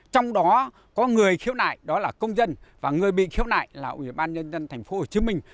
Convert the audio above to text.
trong đó có người khiếu nại đó là công dân và người bị khiếu nại là ủy ban nhân dân thành phố hồ chí minh